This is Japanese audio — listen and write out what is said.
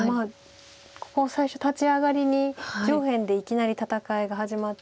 ここ最初立ち上がりに上辺でいきなり戦いが始まって。